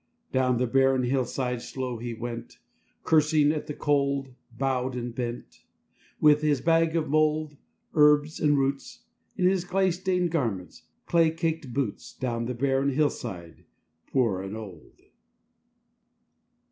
Down the barren hillside slow he went, Cursing at the cold, bowed and bent; With his bag of mold, herbs and roots, In his clay stained garments, clay caked boots, Down the barren hillside, poor and old.